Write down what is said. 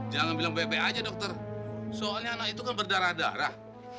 jangan bilang bebek aja dokter soalnya anak itu kan berdarah darah